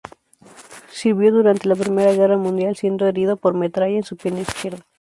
Sirvió durante la Primera Guerra Mundial, siendo herido por metralla en su pierna izquierda.